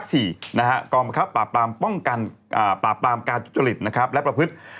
กรนะครับปราบปรามการจุฐริตและประพฤติ